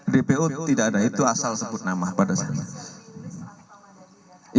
dpo tidak ada itu asal sebut nama pada saya